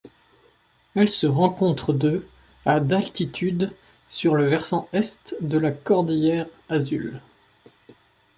Elle se rencontre de à d'altitude sur le versant Est de la Cordillère Azul.